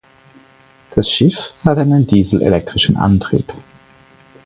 Das Schiff hat einen dieselelektrischen Antrieb.